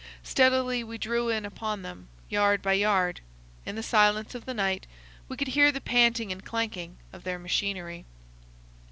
Steadily we drew in upon them, yard by yard. In the silence of the night we could hear the panting and clanking of their machinery.